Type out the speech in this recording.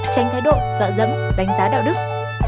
tránh thái độ dọa dẫm đánh giá đạo đức